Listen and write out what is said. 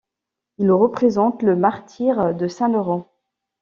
Il représente le martyre de saint Laurent.